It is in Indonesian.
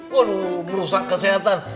waduh merusak kesehatan